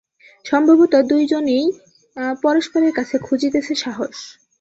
সম্ভবত দুজনেই পরস্পরের কাছে খুঁজিতেছে সাহস।